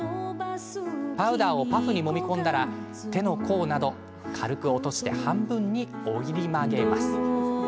パウダーをパフにもみ込んだら手の甲などで、軽く落として半分に折り曲げます。